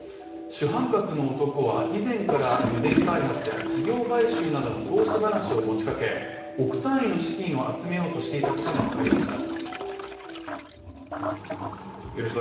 主犯格の男は以前から油田開発や企業買収などの投資話を持ち掛け、億単位の資金を集めようとしていたことがわかりました。